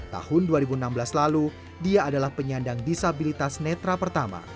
tahun dua ribu enam belas lalu dia adalah penyandang disabilitas netra pertama